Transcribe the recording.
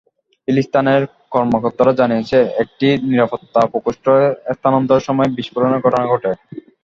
ফিলিস্তিনের কর্মকর্তারা জানিয়েছেন, একটি নিরাপত্তা প্রকোষ্ঠ স্থানান্তরের সময় বিস্ফোরণের ঘটনা ঘটে।